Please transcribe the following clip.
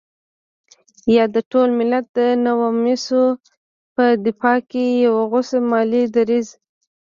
يا د ټول ملت د نواميسو په دفاع کې يو غوڅ ملي دريځ.